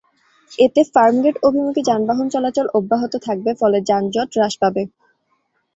এতে ফার্মগেট অভিমুখী যানবাহন চলাচল অব্যাহত থাকবে, ফলে যানজট হ্রাস পাবে।